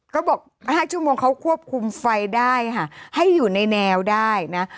เขาบอก๕ชั่วโมงเขาควบคุมไฟได้ค่ะให้อยู่ในแนวได้นะ